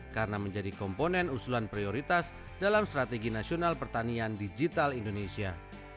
karena menjadi komponen usulan prioritas dalam strategi nasional pertanian digital indonesia